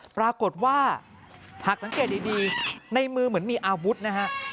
ปรากฏว่าหากสังเกตดีในมือเหมือนมีอาวุธนะฮะ